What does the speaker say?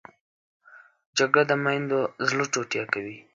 جګړه د میندو زړه ټوټې کوي